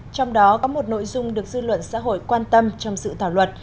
trong đó có một nội dung được dư luận xã hội quan tâm trong sự thảo luật